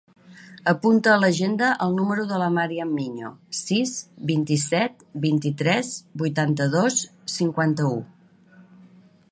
Apunta a l'agenda el número de la Màriam Miño: sis, vint-i-set, vint-i-tres, vuitanta-dos, cinquanta-u.